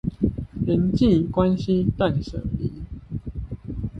人際關係斷捨離